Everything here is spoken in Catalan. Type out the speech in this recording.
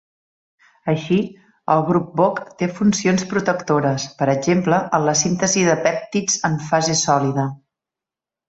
Així, el grup boc té funcions protectores, per exemple en la síntesi de pèptids en fase sòlida.